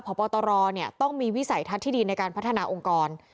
พบตรต้องมีวิสัยทัศน์ที่ดีในการพัฒนาองค์กร